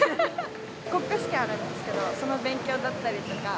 国家試験あるんですけど、その勉強だったりとか。